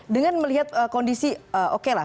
dengan melihat kondisi oke lah